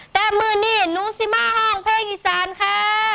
แต่มือนี้หนูสิมาแห่งเพลงอีสานค่ะ